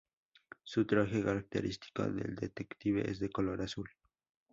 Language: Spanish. Su traje característico de detective es de color azul.